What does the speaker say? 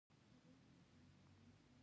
سهار د خوښۍ د لوري ګام دی.